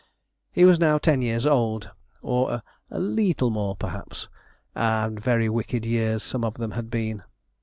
He was now ten years old, or a leetle more perhaps, and very wicked years some of them had been.